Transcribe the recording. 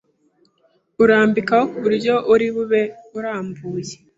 urambikaho ku buryo uri bube urambuye